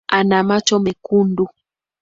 Ana macho mekundu